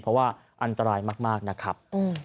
เพราะว่าอันตรายมากนะครับ